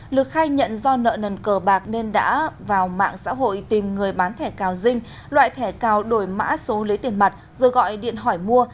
lực khai nhận do nợ nần cờ bạc nên đã vào mạng xã hội tìm người bán thẻ cào dinh loại thẻ cào đổi mã số lấy tiền mặt rồi gọi điện hỏi mua